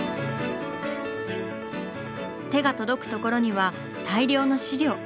手が届くところには大量の資料。